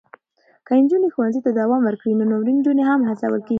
که نجونې ښوونې ته دوام ورکړي، نو نورې نجونې هم هڅول کېږي.